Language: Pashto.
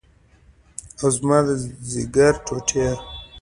اوه زما د ځيګر ټوټې.